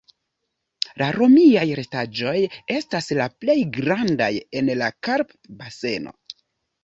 La romiaj restaĵoj estas la plej grandaj en la Karpat-baseno.